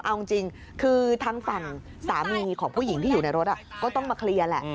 เอาจริงคือทางฝั่งสามีของผู้หญิงที่อยู่ในรถก็ต้องมาเคลียร์แหละ